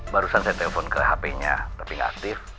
barusan saya telepon ke hp nya tapi gak aktif